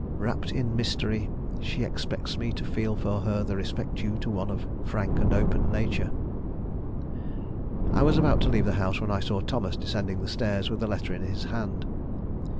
"Wrapped in mystery, she expects me to feel for her the respect due to one of frank and open nature." I was about to leave the house, when I saw Thomas descending the stairs with a letter in his hand.